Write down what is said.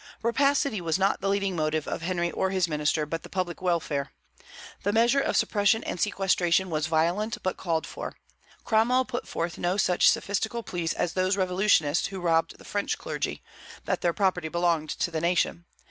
Rapacity was not the leading motive of Henry or his minister, but the public welfare. The measure of suppression and sequestration was violent, but called for. Cromwell put forth no such sophistical pleas as those revolutionists who robbed the French clergy, that their property belonged to the nation.